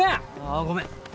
ああごめん。